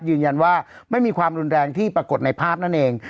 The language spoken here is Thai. ยืนยันว่าไม่มีความรุนแรงที่ปรากฏในภาพนั่นเอง